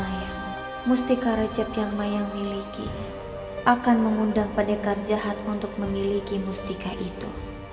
mayang mustika recep yang mayang miliki akan mengundang padekar jahat untuk memiliki mustika itu